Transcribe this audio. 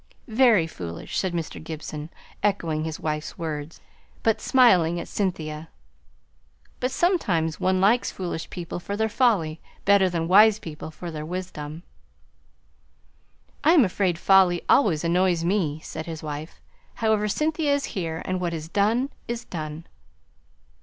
"Very foolish," said Mr. Gibson, echoing his wife's words, but smiling at Cynthia. "But sometimes one likes foolish people for their folly, better than wise people for their wisdom." "I am afraid folly always annoys me," said his wife. "However, Cynthia is here, and what is done, is done."